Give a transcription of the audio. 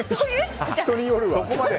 人によるわ。